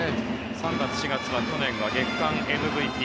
３月、４月は去年、月間ＭＶＰ。